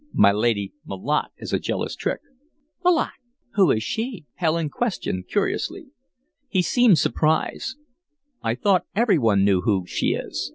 My lady Malotte is a jealous trick." "Malotte! Who is she?" Helen questioned, curiously. He seemed surprised. "I thought every one knew who she is.